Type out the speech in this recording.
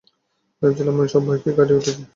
ভেবেছিলাম, আমি সব ভয়কে কাটিয়ে উঠেছি।